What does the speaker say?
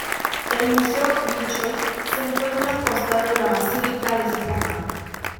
El Museo Huichol se encuentra a un costado de la Basílica de Zapopan.